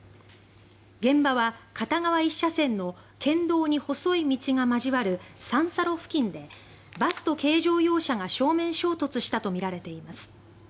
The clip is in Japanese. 現場は片側１車線の県道に細い道が交わる三差路付近でバスと軽乗用車が正面衝突したとみられています。